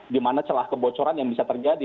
di mana celah kebocoran yang bisa terjadi